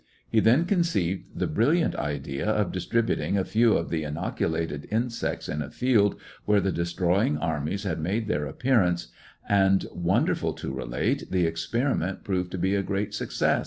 He then conceived the brilliant idea of dis tributing a few of the inoculated insects in a field where the destroying armies had made their appearance, and, wonderful to relate, the experiment proved to be a great success.